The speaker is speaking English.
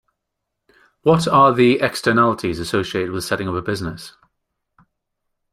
What are the externalities associated with setting up a business?